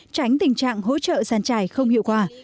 tránh tình trạng hỗ trợ giàn trải không hiệu quả